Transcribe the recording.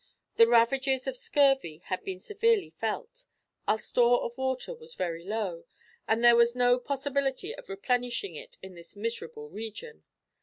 The ravages of scurvy had been severely felt, our store of water was very low, and there was no possibility of replenishing it in this miserable region.